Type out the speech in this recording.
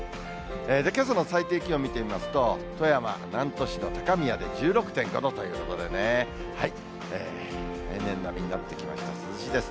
けさの最低気温見てみますと、富山・南砺市の高宮で１６．５度ということでね、平年並みになってきました、涼しいです。